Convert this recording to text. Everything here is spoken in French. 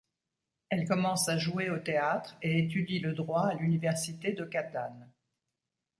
Elle commence à jouer au théâtre et étudie le droit à l'université de Catane.